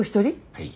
はい。